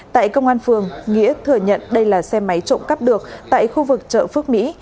tại công an phường nghĩa thừa nhận đây là xe máy trộm cắp được tại khu vực chợ phước mỹ